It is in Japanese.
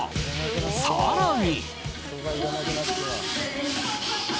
更に。